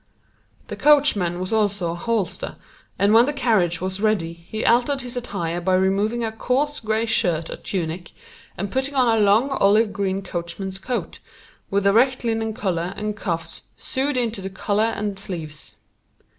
The coachman was also hostler, and when the carriage was ready he altered his attire by removing a coarse, gray shirt or tunic and putting on a long, olive green coachman's coat, with erect linen collar and cuffs sewed into the collar and sleeves.